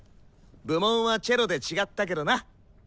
部門はチェロで違ったけどな。